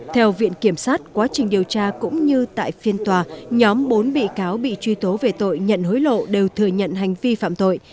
theo viện kiểm sát quá trình điều tra cũng như tại phiên tòa nhóm bốn bị cáo bị truy tố về tội nhận hối lộ đều thừa nhận hành vi phạm tội